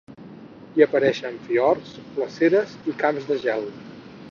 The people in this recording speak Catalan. Hi apareixen fiords, glaceres i camps de gel.